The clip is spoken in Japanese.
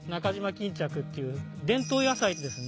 巾着っていう伝統野菜ですね。